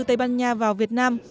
tây ban nha vào việt nam